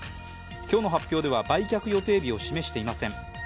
今日の発表では売却予定日を示していません。